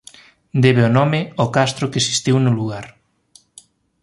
Debe o nome ó castro que existiu no lugar.